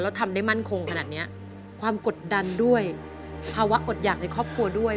แล้วทำได้มั่นคงขนาดเนี้ยความกดดันด้วยภาวะอดหยากในครอบครัวด้วย